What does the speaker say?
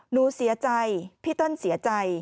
หนูเสียใจพี่เติ้ลเสียใจ